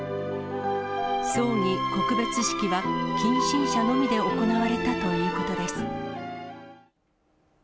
葬儀・告別式は、近親者のみで行われたということです。